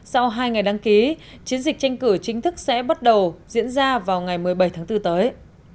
sau hai ngày đăng ký chiến dịch tranh cử chính thức sẽ bắt đầu diễn ra vào ngày một mươi bảy tháng bốn tới